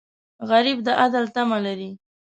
غریب د عدل تمه لري